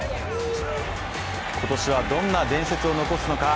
今年はどんな伝説を残すのか。